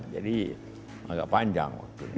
jadi agak panjang